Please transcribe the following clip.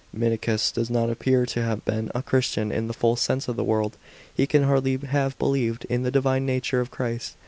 Minucius does not appear to have been a Christian in the full sense of the word. He can hardly have believed in the divine nature of Christ.